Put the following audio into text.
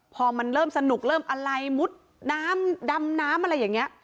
พอมันเริ่มสนุกเริ่มอะไรมุดน้ำดำน้ำอะไรอย่างนี้